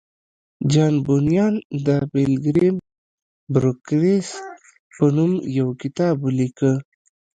جان بونیان د پیلګریم پروګریس په نوم یو کتاب ولیکه